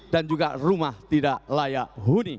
dan juga rumah tidak layak huni